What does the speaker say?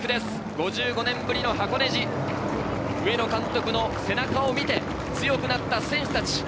５２年ぶりの箱根路、上野監督の背中を見て強くなった選手たち。